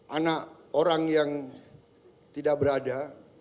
anak orang yang tidak berada